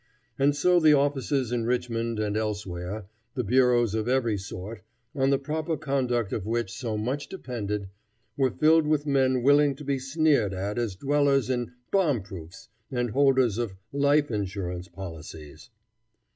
And so the offices in Richmond and elsewhere, the bureaus of every sort, on the proper conduct of which so much depended, were filled with men willing to be sneered at as dwellers in "bomb proofs" and holders of "life insurance policies."